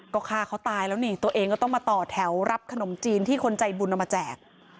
ก็ฆ่าเขาตายแล้วนี่ตัวเองก็ต้องมาต่อแถวรับขนมจีนที่คนใจบุญเอามาแจก